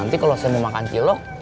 nanti kalau saya mau makan cilok